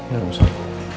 ya mas anusi